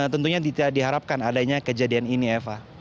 tentunya tidak diharapkan adanya kejadian ini eva